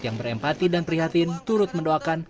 yang berempati dan prihatin turut mendoakan